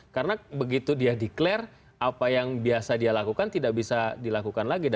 karena begitu dia declare apa yang biasa dia lakukan tidak bisa dilakukan lagi